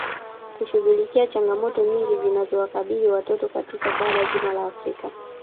Kushughulikia changamoto nyingi zinazowakabili watoto katika bara zima la Afrika